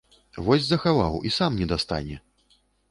Вось захаваў і сам не дастане!